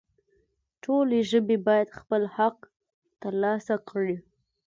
ټولې ژبې باید خپل حق ترلاسه کړي